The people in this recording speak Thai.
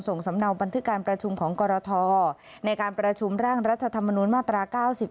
สำเนาบันทึกการประชุมของกรทในการประชุมร่างรัฐธรรมนุนมาตรา๙๔